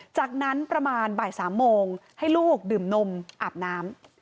จากนั้นประมาณบ่าย๓โมงให้ลูกดื่มนมอาบน้ำ